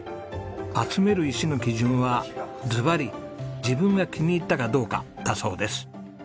集める石の基準はズバリ自分が気に入ったかどうかだそうです。